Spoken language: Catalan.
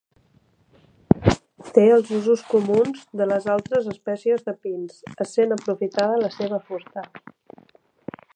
Té els usos comuns de les altres espècies de pins, essent aprofitada la seva fusta.